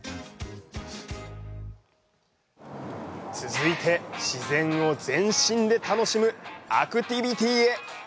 続いて、自然を全身で楽しむアクティビティへ！